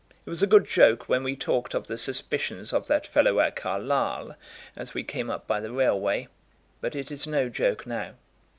It was a good joke when we talked of the suspicions of that fellow at Carlisle as we came up by the railway, but it is no joke now.